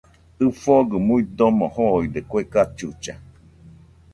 ɨfɨgɨ muidomo joide kue cachucha